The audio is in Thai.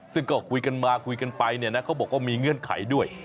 ซึ่งก็คุยกันมาคุยกันไปเนี่ยนะเขาบอกว่ามีเงื่อนไขด้วย